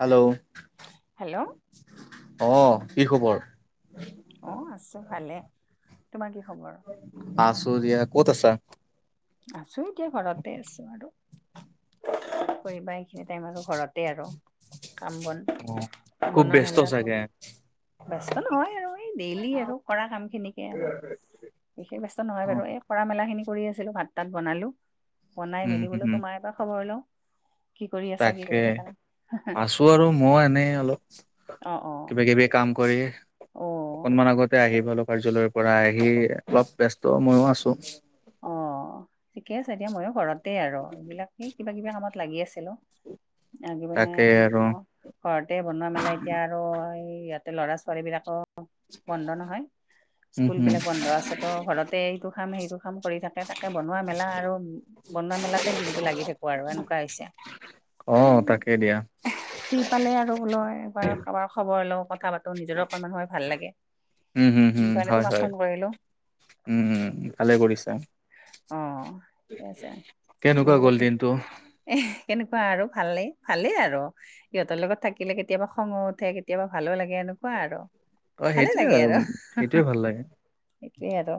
Hello hello অ', কি খবৰ অ', আছো ভালে তোমাৰ কি খবৰ আছো দিয় ক'ত আছা আছো এতিয়া ঘৰতে আছো আৰু কৰিবা এইখিনি টাইম আৰু ঘৰতে আৰু কাম বন অ খুব বন ব্যস্ত মেলা চাগে? ব্যস্ত নহয় আৰু এই ডেইলি আৰু কৰা কাম খিনিকে আৰু বিশেষ ব্যস্ত নহয় অ বাৰু এই কৰা মেলা খিনি কৰি আছিলো ভাত তাত বনালো বনাই উম মেলিবলৈ উম তোমাৰ এটা খবৰ লওঁ কি কৰি আছা কি কৰি তাকে থাকা আছো আৰু মই এনেই অলপ অ অ কিবা কিবি কাম কৰি অ' অকনমান আগতে আহি পলো কাৰ্যালয়ৰ পৰা আহি অলপ ব্যস্ত মইো আছো অ', ঠিকে আছে এয়া ময়ো ঘৰতে আৰু এইবিলাক কিবা কিবা কামত লাগি আছিলো। আ পেলনে তাকে মান আৰু ঘৰতে বনোৱা মেলাই এতিয়া আৰু এই ইয়াতে ল'ৰা ছোৱালী বিলাকো বন্ধ নহয় উম স্কুল হম বিলাক বন্ধ আছে ত' ঘৰতে এইটো কাম সেইটো কাম কৰি থাকে তাকে তাকে বনোৱা মেলা আৰু বনোৱা মেলাতে দিনটো লাগি থাকো আৰু এনেকুৱা হৈছে অ', তাকেই দিয়া ফ্ৰী পালে আৰু বোল একবাৰ কাৰোবাৰ খবৰ লওঁ কথাপাতি ত নিজৰ অকনমান সময় ভাল লাগে উম হম হম সেই কাৰণে হয় তোমাক হয় ফোন কৰিলো উম, ভালে কৰিছা। আহ, ঠিক আছে। তুমি কেনেকুৱা আ গ'ল দিনটো এ, কেনেকুৱা আৰু ভালেই, ভালেই আৰু সিহঁতৰ লগত থাকিলে কেতিয়াবা খঙ উঠে, কেতিয়াবা ভালো লাগে, এনেক কোৱা আৰু অ ভালে সেইটোয়ে লাগে আৰু। সেইটোয়ে ভাল লাগে সেইটোৱে আৰু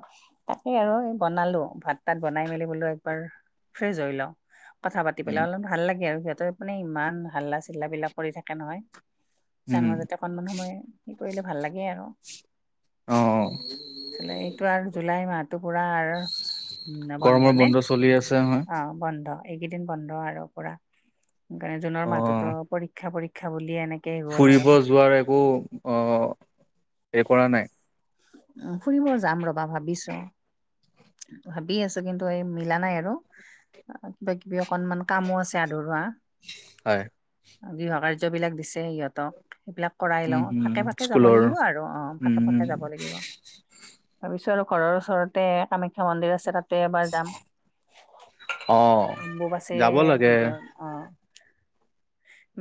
তাকে আৰু এই বনালো। ভাত-তাত বনাই মেলি বোলো একবাৰ ফ্ৰেছ হৈ লওঁ কথা পাতি উম পেলাই অলপ ভাল লাগে আৰু সিহঁতে মানে ইমান হাল্লা, চিল্লাবিলাক কৰি থাকে নহয় তাৰ উম মাজতে অকণমান সময় কি কৰিলে ভাল লাগে আৰু। অ অ [unintelligible] এইটো আৰু জুলাই মাহটো পুৰা আৰু। উম, বন্ধ গৰমৰ নে চলি আছে নহয় অ, বন্ধ। এইকেইদিন বন্ধ আৰু পুৰা [unintelligible] জুনৰ অ মাহহোতো পৰীক্ষা পৰীক্ষা বুলিয়ে এনে [unintelligible] ফুৰিব যোৱাৰ একো অ, এই কৰা নাই। উ, ফুৰিব যাম ৰবা ভাবিছো। ভাবি আছো কিন্তু এই মিলা নাই আৰু। কিবা, কিবি অকনমান কামো আছে আধৰুৱা। হয়। গৃহ কাৰ্যবিলাক দিছে ইহঁতক। সেইবিলাক কৰাই উম লওঁ হম ফাকে, ফাকে যাব স্কুলৰ লাগিব আৰু অ, ফাকে, ফকে উম যাব লাগিব। ভাবিছো আৰু ঘৰৰ ওচৰতে কামাখ্যা মন্দিৰ আছে তাত। তাতে এবাৰ যাম অ যাব অম্বুবাচীৰ লাগে ভিতৰত অ,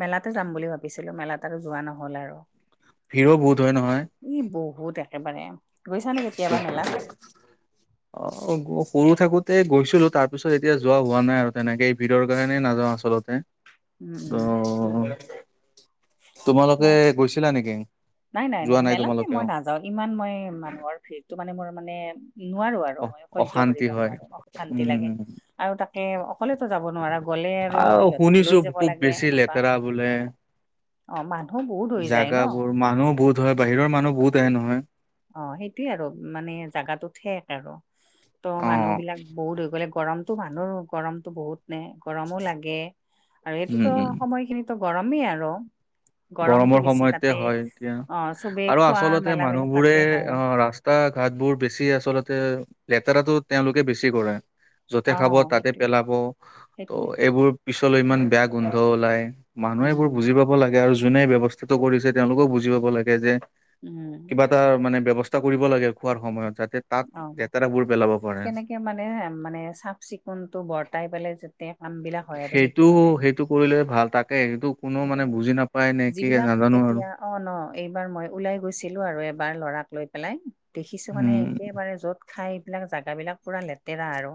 মেলাতে যাম বুলি ভাবিছিলো মেলাত আৰু যোৱা নহ'ল আৰু। ভিৰো বহুত হয় নহয়। ই, বহুত একেবাৰে গৈছা নে কেতিয়াবা মেলাত? অ, সৰু থাকোতে গৈছিলো তাৰ পিছত এতিয়া যোৱা হোৱা নাই আৰু তেনেকে ভিৰৰ কাৰণেই নাযাওঁ আচলতে। উম উম অ, তোমালোকে গৈছিলা নেকি। নাই, নাই, যোৱা নাই মেলাতে মই তোমালোকেও নাযাও। ইমান মই মানুহৰ ভিৰটো মানে মোৰ মানে নোৱাৰো আৰু অ মই সহ্য কৰিব অশান্তি হয় নোৱাৰো অশান্তি লাগে উম আৰু তাতে [unintelligible] অকলেতো যাব নোৱাৰা গ'লে আৰু ইহঁতক শুনিছো লৈ যাব খুব লাগে বেছি এনেকুৱা লেতেৰা বোলে অ, মানুহ বহুত হৈ যায় ন। জাগাবোৰ [unintelligible] বাহিৰৰ মানুহ বহুত আহে নহয়। অ, সেইটোয়ে আৰু মানে জাগাটো ঠেক আৰু ত' অ মানুহ বিলাক বহুত হৈ গ'লে গৰমটো মানুহৰ গৰমতো বহুত নে গৰমো লাগে। আৰু উম এইটোতো উম সময়খিনি গৰমেই আৰু। গৰমটো গৰমৰ বেছি তাতে সময়তে হয়। এতিয়া অ চবে আৰু খোৱা আচলতে মেলাবিলাক মানুহবোৰে তাতে হয় অ, ৰাস [unintelligible] ঘাটবোৰ বেছি আচলতে লেতেৰাটো তেওঁলোকে বেছি কৰে। য'তে অ খাব তাতে সেইটো পেলাব। ত' সেইটোয়ে এইবোৰ পিছলৈ ইমান বেয়া গোন্ধ ওলাই মানুহ উম এইবোৰ বুজিব [unintelligible] [unintelligible] লাগে আৰু যোনে এই ব্যৱস্থাটো কৰিছে তেওঁলোকেও বুজি পাব লাগে যে উম। [unintelligible] মানে ব্যৱস্থা কৰিব লাগে খোৱাৰ সময়ত যাতে তাত অ লেতেৰাবোৰ পেলাব। পাৰে। কেনেকে মানে মানে চাফ চিকুণটো বৰ্তাই পেলাই তে, কাম বিলাক হয় আৰু সেইটো মানে সেইটো কৰিলে ভাল তাকে সেইটো কোনো মানে বুজি নাপায় নে কি যিবিলাক নাজানো আৰু। এতিয়া অ, ন এইবাৰ মই ওলাই গৈছিলো আৰু এবাৰ লৰাক লৈ পেলাই। দেখিছো মানে উম, একেবাৰে য'ত খাই পেলাই জেগাবিলাক পুৰা লেতেৰা আৰু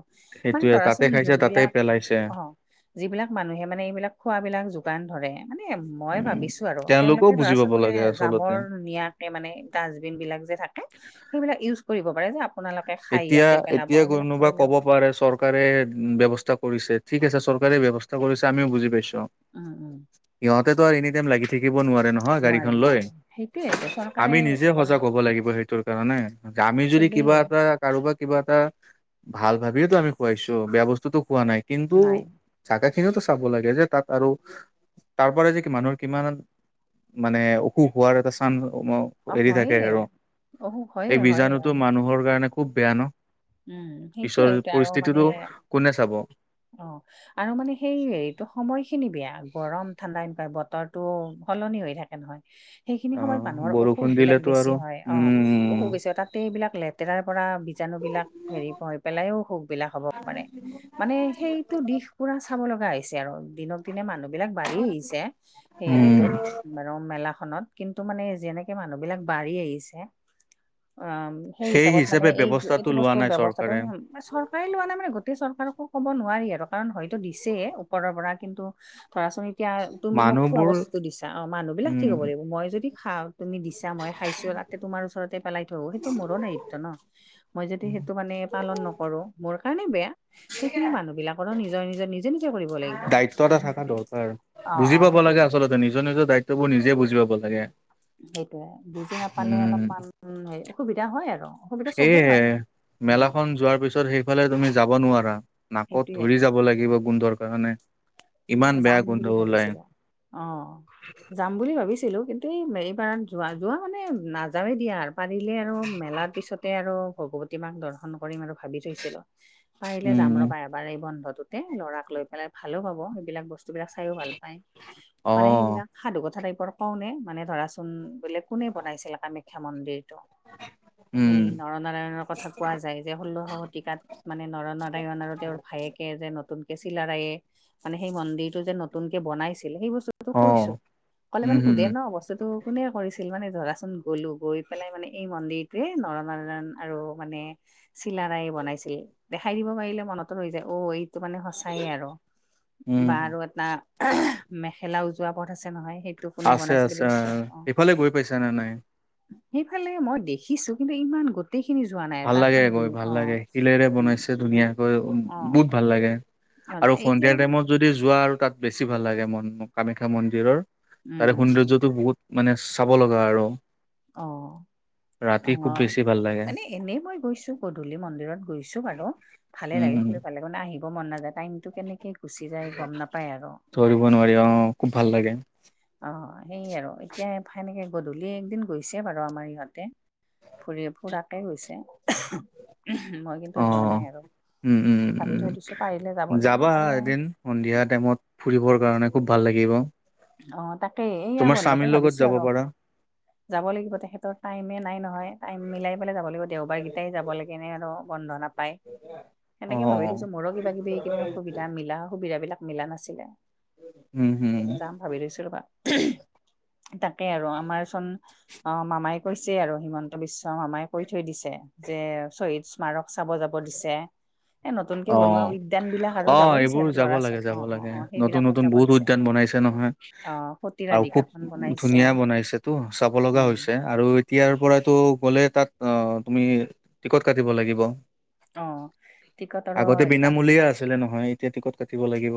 মানে সেইটোয়ে তাতে ধৰাচোন খাইছে তাতে যোনবিলাক পেলাইছে অ'। যিবিলাক মানুহে মানে এইবিলাক খোৱাবিলাক যোগান ধৰে মানে মই উম, ভাবিছো আৰু তেওঁলোকেও তেওঁলোকে বুজি ধৰাচোন পাব বোলে লাগে আচলতে। জাবৰ নিয়াতে মানে ডাষ্টবিনবিলাক যে থাকে সেইবিলাক ইউচ কৰিব পাৰে যে আপোনালোক এতিয়া, এতিয়া কোনোবা ক'ব পাৰে চৰ চৰকাৰে ব্যৱস্থা কৰিছে ঠিক আছে চৰকাৰে ব্যৱস্থা কৰিছে আমিও বুজি পাইছো। উম, উম। ইহঁতেতো আৰু এনি টাইম লাগি থাকিব নোঁৱাৰে ন। নহয় নোৱাৰে গাড়ীখন লৈ নোৱাৰে সেইটোয়ে এইটোয়ে চৰকাৰে আমি নিজে ওপৰত সজাগ হ'ব লাগিব সেইটোৰ কাৰণে। আমি যদি চবেই কিবা এটা কাৰোবা কিবা এটা ভাল ভাবিয়ো আমি খুৱাইছো বেয়া বস্তুতো খোৱা নাই কিন্তু নাই জাগা খিনিওতো চাব লাগে যে তাত আৰু তাৰ পৰা যে মানুহৰ কিমান মানে অসুখ হোৱাৰ এটা চানচ ও অ এৰি থাকে হয়ে আৰু অসুখ হয়ে এই হয়ে বীজাণুটো হয়ে মানুহৰ কাৰণে খুব বেয়া ন। উম সেইটোয়ে পিছৰ সেইটোয়ে আৰু মানে পৰিস্থিতিটো কোনে চাব। অ'। আৰু মানে সেই হেৰিটো সময়খিনি বেয়া গৰম ঠাণ্ডা এনেকুৱাই বতৰটো সলনি হৈ থাকে। নহয় সেইখিনি সময়ত আহ মানুহৰ অসুখ বৰষুণ বিলাক দিলেতো বেছি আৰু হয় অ'। উম অসুবিছ তাতে এইবিলাক লেতেৰাৰ পৰা বীজাণু বিলাক হেৰি হৈ পেলাইও অসুখবিলাক হ'ব পাৰে। মানে সেইটো দিশ পুৰা চাব লগা হৈছে আৰু। দিনক দিনে মানুহবিলাক বাঢ়ি আহিছে সেই উম হেৰিটোত। বাৰু মেলা খনত কিন্তু মানে যেনেকে মানুহ বিলাক বাঢ়ি আহিছে অ সেই হিচাপত মানে হিচাপে এই ব্যৱস্থাটো এইটো লোৱা বস্তু নাই ব্যৱস্থাটো চৰকাৰে চৰকাৰে লোৱা নাই মানে গোটেই চৰকাৰকো ক'ব নোৱাৰি আৰু কাৰণ হয়তো দিছে ওপৰৰ পৰা কিন্তু ধৰা চোন এতিয়া তুমি মোক খোৱা মানুহবোৰ বস্তুটো দিছা অ' মানুহবিলাক উম ঠিক হ'ব লাগিব মই যদি খাও তুমি দিছা মই খাইছোঁ তাত তোমাৰ ওচৰতে পেলাই থৈ আহো সেইটো মোৰো দায়িত্ব ন মই যদি সেইটো মানে পালন নকৰো। মোৰ কাৰণে বেয়া সেইখিনি মানুহ বিলাকৰো নিজৰ নিজৰ নিজে নিজে কৰিব লাগিব দায়িত্ব এটা উম, থকা দৰকাৰ অ', বুজি অ', পাব সেইটোয়ে লাগে আচলতে নিজৰ নিজৰ দায়িত্ব বোৰ নিজে বুজি পাব লাগে। সেইটোয়ে বুজি নাপালে উম অলপমান অসুবিধা হয় আৰু অসুবিধা চবেই হয়। উম মেলা খন যোৱাৰ পিছত সেইফালে তুমি যাব নোৱাৰা নাকত সেইটোয়ে ধৰি যাব লাগিব। গোন্ধৰ কাৰণে। ইমান সেয়ে বেয়া যাম গোন্ধ বুলি ওলাই ভাবিছিলোঁ অ'। যাম বুলি ভাবিছিলোঁ কিন্তু এই মেৰিপাৰাত যোৱা যোৱা মানে নাযাৱেই দিয়া আৰু পাৰিলে আৰু মেলাৰ পিছত তাতে আৰু ভগৱতী মাক দৰ্শন কৰিম আৰু ভাবি থৈছিলো। পাৰিলে যাম উম ৰবা এবাৰ এই বন্ধটোতে ল'ৰাক লৈ পেলাই ভালো পাব সেইবিলাক বস্তু বস্তুবিলাক চাইয়ো ভাল পায় অ মানে সেইবিলাক সাধুকথা টাইপৰ কওঁ নে মানে ধৰাচোন বোলে কোনে বনাইছিল কামাখ্যা মন্দিৰটো উম এই নৰনাৰায়ণৰ কথা কোৱা যায়। যে ষোল্লশ শতিকাত মানে নৰ নাৰায়ণ আৰু তেওঁৰ ভায়েকে যে নতুনকে চিলাৰায়ে মানে সেই মন্দিৰটো যে নতুনকে বনাইছিল সেই বস্তুটো অ কৈছো কলে উম মানে হম সোধে ন বস্তুটো কোনে কৰিছিল মানে ধৰাচোন গ'লো গৈ পেলাই মানে এই মন্দিৰটোৱে নৰনাৰায়ণ আৰু মানে চিলাৰায়ে বনাইছিল দেখাই দিব পাৰিলে মনতো ৰৈ যায় অ এইটো মানে সঁচায়ে আৰু। বা উম আৰু এটা মেখেলা উজোৱা পথ আছে নহয়। সেইটো কোনে আছে বনাইছিল আছে এইবলাক কৈ অ'। সেইফালে গৈ পাইছা নে নাই? সেইফালে মই দেখিছো কিন্তু ইমান গোট গোটেই খিনি যোৱা নাই। ভাল তাত লাগে মানে গৈ ভাল লাগে শিলেৰে অ বনাইছে ধুনীয়া উম অ', বহুত ভাল লাগে অ', আৰু এতিয়া সন্ধিয়া বোলে টাইমত যদি যোৱা আৰু তাত বেছি ভাল লাগে মন কামাখ্যা মন্দিৰৰ উম, তাৰে উম, উম, সৌন্দৰ্যটো বহুত মানে চাব লগা আৰু অ', ৰাতি খুব অ', বেছি ভাল লাগে। মানে এনেই মই গৈছো গধূলি মন্দিৰত গৈছো বাৰু ভালে উম, লাগে উম, খুবে ভাল লাগে। মানে আহিব মন নাযায় টাইমতটো কেনেকে গুচি যায় গম নাপায় আৰু। ধৰিব নোৱাৰি অ' খুব ভাল লাগে। অ' সেইয়ে আৰু এতিয়া সেনেকে গধূলি এদিন গৈছে বাৰু আমাৰ ইহঁতে। ফুৰিয়ে ফুৰাকে গৈছে। উ মই কিন্তু [unintelligible] অ যোৱা নাই আৰু। উম উম ভাবি থৈ উম দিছো পাৰিলে যাব লাগিব যাবা আৰু এদিন সন্ধিয়া টাইমত ফুৰিবৰ কাৰণে খুব ভাল লাগিব। অ তাকেই এইয়া তোমাৰ বন্ধতে স্বামীৰ লগত ভাবিছো যাব আৰু পাৰা যাব লাগিব তেখেতৰ টাইমে নাই নহয় টাইম মিলাই পেলাই যাব লাগিব দেওবাৰকেইটাই যাব লাগেনে আৰু বন্ধ নাপায় সেনেকে ভাবি অ', থৈছো। মোৰো কিবা কিবি এইিন অসুবিধা মিলা সুবিধাাবিলাক মিলা নাছিলে। উম হুম। যাম ভাবি লৈছিলো ৰ বা তাকে আৰু আমাৰ চোন অ, মামাই কৈছে আৰু হিমন্ত বিশ্ব মামাই কৈ থৈ দিছে যে শহদ স্মাৰক চাব যাব দিছে। এ নতুন কেে বনোৱা অ'। উদ্যান বিলাক আৰু অ যাব দিছে এইবোৰ আৰু যাব ল'ৰা ছোৱালী অ, অ, অ, সেইবিলাকত যাব দিছে। দান বনাইছে নহয় অ সতী আৰু খুব ৰাধিকাখন বনাইছে ধুনীয়া বনাইছেটো চাব লগা উম হৈছে। আৰু এতিয়াৰ পৰাতটো গ'লে তাত অ তুমি টিকট কাটিব লাগিব। অ। টিকটৰো আগতে হেৰি দাম বিনামূলীয়া বিলাক আছিলে নহয় এতিয়া টিকট কাটিব লাগিব।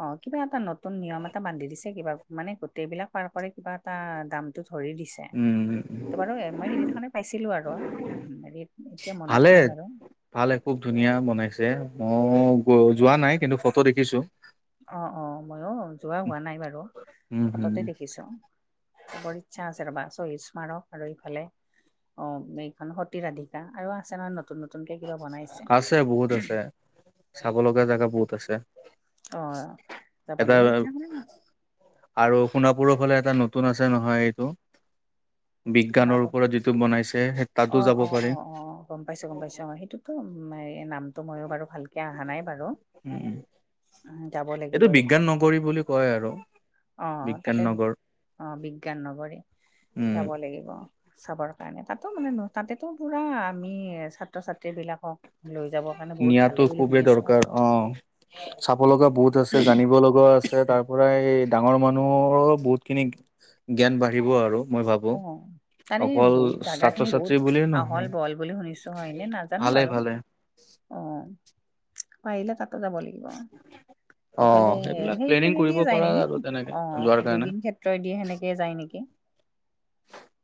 অ, কিবা এটা নতুন নিয়ম এটা বান্ধি দিছে কিবা মানে গোটেইবিলাক পাৰ কৰে কিবা এটা দামতটো ধৰি দিছে। উম ত বাৰু মই হৰিত এখনে পাইছিলো আৰু হেৰিত এতিয়া মনত ভালে নাই বাৰু। ভালে খুব ধুনীয়া বনাইছে মই যোৱা নাই কিন্তু ফটো দেখিছো। অ, অ', মইো যোৱা হোৱা নাই বাৰু উম হম ফটোতে দেখিছোঁ। বৰ ইচ্ছা আছে ৰবা চহ স্মাৰক আৰু ইফালে অ, এইখন সতী ৰাধিকা আৰু আছে নহয় নতুন নতুনকে কিবা বনাইছে। আছে বহুত আছে চাব লগগা জেগা বহুত আছে। অ, তাৰাপ এটা লিব শ আৰু সোণাপুৰৰ ফালে এটা নতুন আছে নহয় এইটো শুনা বিজ্ঞানৰ পাওঁ ওপৰত যিটো বনাইছে সেই তাতো অঁ যাব অঁ পাৰি। অঁ অঁ গম পাইছো গম পাইছো সেইটোতো নামটো মইো বাৰু ভালকে অহা নাই বাৰু উম, উম, যাব লাগিব এইটো বিজ্ঞান এটোয়া। নগৰী বুলি কয় আৰু অ, বিজ্ঞান তাতে নগৰ। অ, বিজ্ঞান নগৰে উম, যাব লাগিব। চাবৰ কাৰণে তাতো মানে তাতেটো পুৰা আমি ছাত্ৰ ছাত্ৰী বিলাকক লৈ যাব। নিয়াতো খুবেই দৰকাৰ অ চাব লগা বহুত আছে জানিব লগাও আছে তাৰ পৰাই ডাঙৰ মানুহৰো বহুত খিনি জ্ঞান বাঢ়িব আৰু। মই ভাবো অ তাৰে অকল বহুত জাগা খিনি ছাত্ৰ বহুত ছাত্ৰী বুলিয়ে আহল নহয়। বহল বুলি শুনিছো হয় নে নাজানো ভালে বাৰু ভালে। অ পাৰিলে কাতো যাব লাগিব এইফালে অ', সেইবিলাক সেই প্লেনিং পনে কৰিব দিয়ে যায় পাৰা নেকি? আৰু তেনেকে অ, যোৱাৰ কাৰণে। জুবিন ক্ষেত্ৰই দিয়ে সেনেকে যায় নেকি।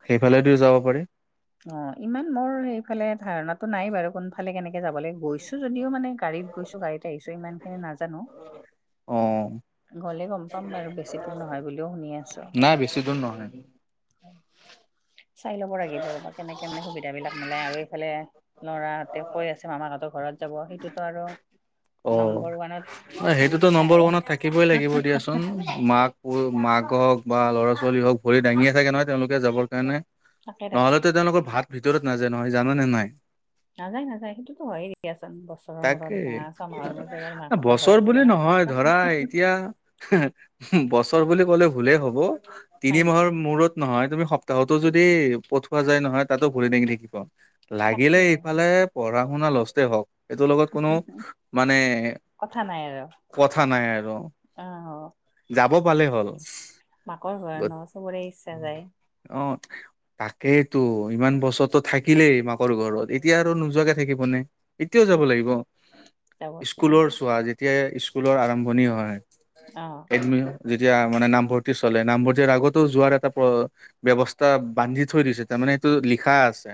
সেইফালেদি যাব পাৰি। অ, ইমান মোৰ সেইফালে ধাৰণাতটো নাই বাৰু কোনফালে কেনেকে যাবলৈ গৈছো যদিও মানে গাড়ীত গৈছো গাড়ীত ত ইমানখিন নাজ অ', গলে গম পাম বাৰু বেছি দূৰ নহয় বুলিও শুনি আছো। নাই বেছি দূৰ নহয়। চাই ল'ব লাগিব ৰব কেনেকে মানে সুবিধা বিলাক মিলাই আৰু এইফালে ল'ৰাহঁতে কৈ আছে মামাকাহঁতৰ ঘৰত যাব সেইটোতো আৰু অ'। নম্বৰ ওৱানত অ, সেইটোতো লিখা নম্বৰ আৰু ওৱানত থাকিবই লাগিব দিয়াচোন। মাক, মাক হওক বা ল'ৰা ছোৱালী হওঁক ভৰি দাঙিয়ে থাকে নহয় তেওঁলোকে যাবৰ কাৰণে। তাকে তাকে নহ'লেতো তেওঁলোকৰ ভাত ভিতৰত নাযায় নহয় জানোনে নাই। নাযায় নাযায় সেইটোতো হয়ে দয়াাচ বছৰৰ মূৰত তাকে বাাঁ ছমাহৰ মূৰত এবাৰ মাক ক বছৰ বুলি নহয় ধৰা এতিয়া বছৰ বুলি ক'লে ভুলেই হব তিনি হয় নেকি মাহৰ মূৰত নহয় তুমি সপ্তাহতো যদি পঠৱা যায় নহয় তাতো ভৰি দাঙি থাকিব লাগিলে তাকে ইফালে পঢ়া শুনা লষ্টে হওক এইটোৰ লগত কোনো মানে কথা নাই আৰু কথা নাই আৰু। অ যাব পালে হ'ল মাকৰ ঘৰ ন চবৰে ইচ্ছা যায় অ' তাকেই তো ইমান বছৰৰতো থাকিলেই মাকৰ ঘৰত এতিয়া আৰু নোযোৱাকে থাকিব নে? এতিয়াও যাব লাগিব যাব লাগিব স্কুলৰ চোৱা যেতিয়া স্কুলৰ আৰম্ভণি হয়। অ এদমি যেতিয়া মানে নামভৰ্তি চলে নামভৰ্তিৰ আগতো যোৱাৰ এটা। ব্যবস্থা বান্ধি থৈ দিছে তাৰ মানে এইটো লিখা আছে।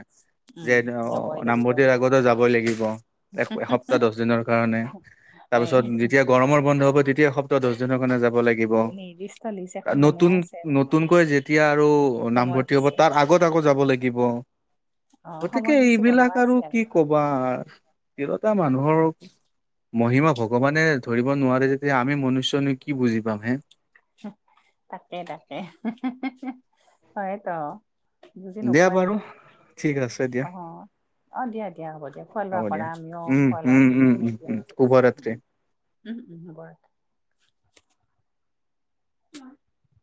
যে উম অ যাবই লাগিব নামভতিৰ আগতো যাবই লাগিব। এক এসপ্তাহ দহ দিনৰ কাৰণে। তাৰ এই পিছত যেতিয়া গৰমৰ বন্ধ হ'ব তেতিয়া সপ্তাহ দহ দিনৰ কাৰণে যাব লাগিব। নিৰ্দিষ্ট লিষ্ট এখন বনোৱা নতুন আছে আৰু ন নতুনকৈ যেতিয়া আৰু নামভৰ্তি হ'ব সময়সূচী তাৰ আগত আকৌ যাব লাগিব। অ গতিকে সময়সূচী বনোৱা এইবিলাক আৰু আছে কি কব। বা তিৰোতা মানুহৰ মহিমা। ভগৱানে ধৰিব নোৱাৰে যেতিয়া আমি মনুষ্যনো কি বুজি পাম হে? তাকে তাকে হয়তো। বুজি দিয়া নোপোৱাই। বাৰু ঠিক আছে দিয়া। অ', দিয়া দিয়া হ'ব দিয়া খোৱা লোৱা হ'ব কৰা দিয়া আমিও উম খোৱা উম লোৱা উম উম উম শুভৰাত্ৰি উম উম হ'ব। [inaudible]